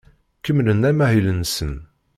Kemmlen amahil-nsen.